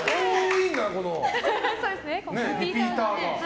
リピーターが。